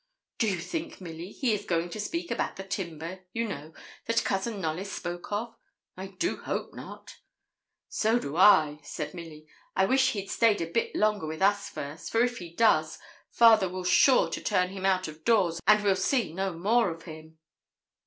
'Do you think, Milly, he is going to speak about the timber, you know, that Cousin Knollys spoke of? I do hope not.' 'So do I,' said Milly. 'I wish he'd stayed a bit longer with us first, for if he does, father will sure to turn him out of doors, and we'll see no more of him.'